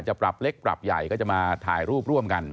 จะปรับเล็กปรับใหญ่ก็จะมาถ่ายรูปร่วมกัน